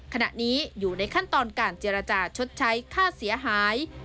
ขณะนี้อยู่ในขั้นตอนการเจรจาชดใช้ค่าเสียหาย